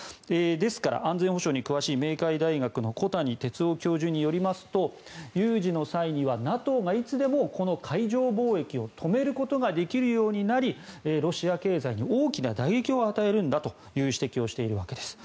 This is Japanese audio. ですから安全保障に詳しい明海大学の小谷哲男教授によりますと有事の際にはＮＡＴＯがいつでもこの海上貿易を止めることができるようになりロシア経済に大きな打撃を与えるんだという指摘をしているわけです。